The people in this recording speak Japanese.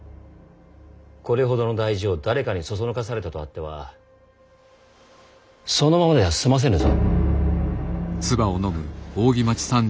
これほどの大事を誰かに唆されたとあってはそのままでは済ませぬぞ。